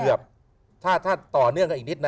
ถ้าต่อเนื่องกันอีกนิดนะ